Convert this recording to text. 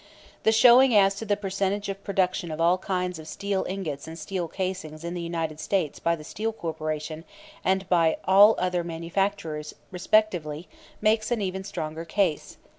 [*] The showing as to the percentage of production of all kinds of steel ingots and steel castings in the United States by the Steel Corporation and by all other manufacturers respectively makes an even stronger case.